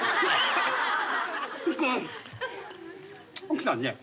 奥さんね